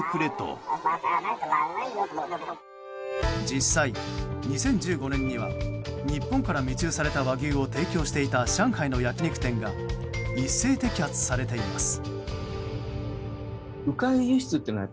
実際、２０１５年には日本から密輸された和牛を提供していた上海の焼き肉店が一斉摘発されています。